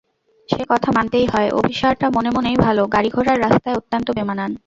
সে কথা মানতেই হয়– অভিসারটা মনে মনেই ভালো, গাড়ি-ঘোড়ার রাস্তায় অত্যন্ত বেমানান।